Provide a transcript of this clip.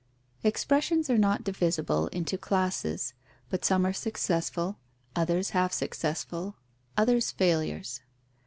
_ Expressions are not divisible into classes, but some are successful, others half successful, others failures.